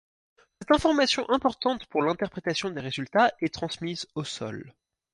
Cette information importante pour l'interprétation des résultats est transmise au sol.